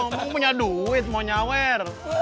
ngomong punya duit mau nyawer